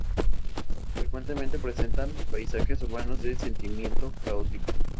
Frecuentemente presentan paisajes urbanos de sentimiento caótico.